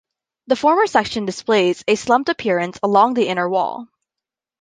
The former section displays a slumped appearance along the inner wall.